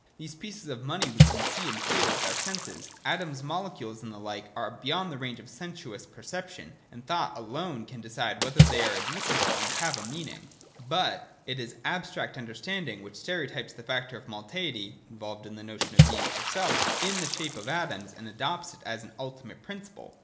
These pieces of money we can see and feel with our senses : atoms, molecules, and the like, are on the con trary beyond the range of sensuous perception ; and thought alone can decide whether they are admissible, and have a meaning. But (as already noticed in § 98, note) it is abstract understanding which stereotypes the factor of multeity (involved in the notion of Being for selfj in the shape of atoms, and adopts it as an ultimate principle.